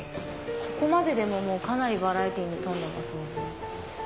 ここまででもかなりバラエティーに富んでますもんね。